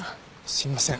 すいません。